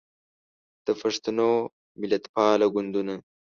د پښتنو ملتپاله ګوندونه